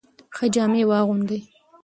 ښه جامې واغوندئ.